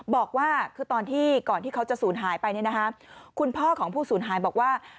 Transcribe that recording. บอกว่าคือตอนที่ก่อนที่เขาจะสูญหายไปคุณพ่อของผู้สูญหายบอกว่า